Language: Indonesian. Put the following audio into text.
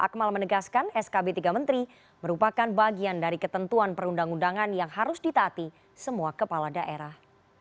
akmal menegaskan skb tiga menteri merupakan bagian dari ketentuan perundang undangan yang harus ditaati semua kepala daerah